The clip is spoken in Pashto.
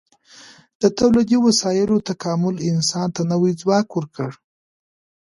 د تولیدي وسایلو تکامل انسان ته نوی ځواک ورکړ.